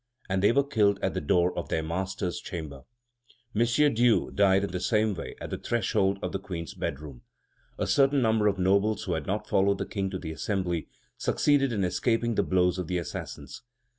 and they were killed at the door of their master's chamber. M. Dieu died in the same way on the threshold of the Queen's bedroom. A certain number of nobles who had not followed the King to the Assembly succeeded in escaping the blows of the assassins.